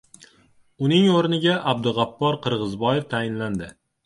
Uning o‘rniga Abdug‘appor Qirg‘izboyev tayinlandi